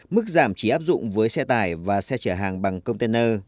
mức giảm chỉ áp dụng với xe tải và xe chở hàng bằng container